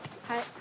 はい。